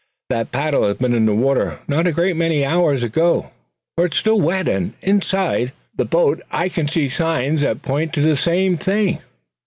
"That paddle has been in the water not a great many hours ago, for it's still wet. Yes, and inside the boat I can see signs that point to the same thing."